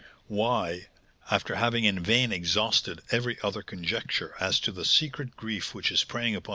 "Why, after having in vain exhausted every other conjecture as to the secret grief which is preying upon M.